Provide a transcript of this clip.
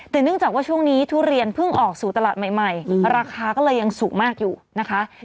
แต่เนื่องจากว่าช่วงนี้ทุเรียนเพิ่งออกสู่ตลาดใหม่ราคาก็เลยยังสูงมากอยู่นะคะ